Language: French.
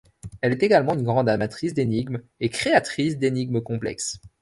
Elle est également une grande amatrice d'énigmes et créatrice d'énigmes complexes.